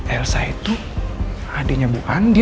elsa itu adiknya bu andi